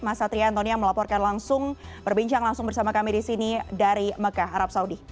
mas satria antonia melaporkan langsung berbincang langsung bersama kami di sini dari mecca arab saudi